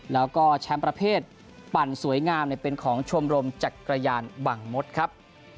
แล้วก็แชมป์ประเภทปั่นสวยงามเป็นของชมรมจักรยานบังมดครับ